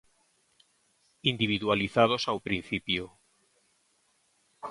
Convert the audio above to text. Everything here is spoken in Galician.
Individualizados ao principio.